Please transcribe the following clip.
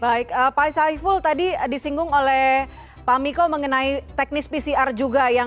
baik pak saiful tadi disinggung oleh pak miko mengenai teknis pcr juga